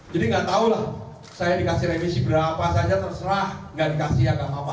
nggak tahu lah saya dikasih remisi berapa saja terserah nggak dikasihan gak apa apa